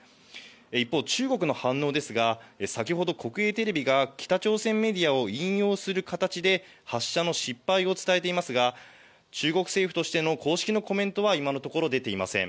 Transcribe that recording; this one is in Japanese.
一方、中国の反応ですが、先ほど国営テレビが北朝鮮メディアを引用する形で発射の失敗を伝えていますが、中国政府としての公式のコメントは今のところ出ていません。